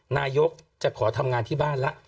นายกจะขอทำงานที่บ้านละ